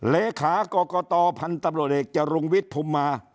เลขากรกตพันธุ์ตำรวจเอกจรุงวิทย์ภูมิมา